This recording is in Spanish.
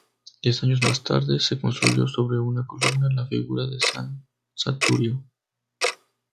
Diez años más tarde se construyó sobre una columna la figura de San Saturio.